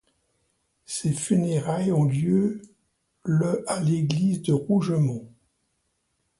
Ses funérailles ont lieu le à l'église de Rougemont.